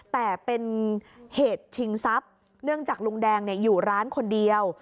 แต่เป็นเหตุชิงทรัพย์เนื่องจากลุงแดงอยู่ร้านคนเดียว